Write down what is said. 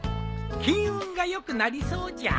金運が良くなりそうじゃ。